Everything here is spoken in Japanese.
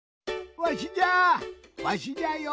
わしじゃわしじゃよ